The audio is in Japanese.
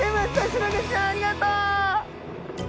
シログチちゃんありがとう！